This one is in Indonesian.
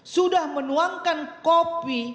sudah menuangkan kopi